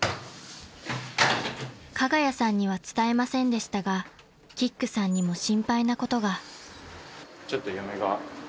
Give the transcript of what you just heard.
［加賀谷さんには伝えませんでしたがキックさんにも心配なことが］